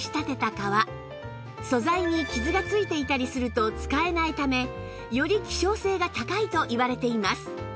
素材に傷がついていたりすると使えないためより希少性が高いといわれています